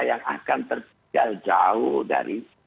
yang akan terjauh dari